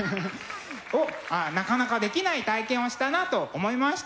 なかなかできない体験をしたなと思いました。